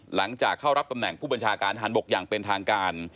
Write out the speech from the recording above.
หลังจากเข้ารับตำแหน่งผู้บัญชาการทหารบกอย่างเป็นทางการ